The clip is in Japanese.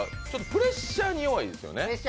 プレッシャーに弱いです。